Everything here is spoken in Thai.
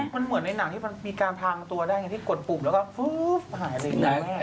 มันเหมือนในหนังที่มันมีการพังตัวได้ไงที่กดปุ่มแล้วก็ฟื๊บหายอะไรอย่างนี้